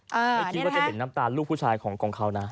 ไม่คิดว่าจะเห็นน้ำตาลลูกผู้ชายของเขานะ